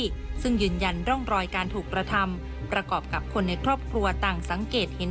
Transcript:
ซึ่งยืนยันร่องรอยการถูกกระทำประกอบกับคนในครอบครัวต่างสังเกตเห็น